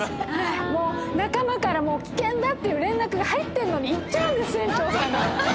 仲間から危険だっていう連絡が入ってんのに行っちゃうんです船長さんが。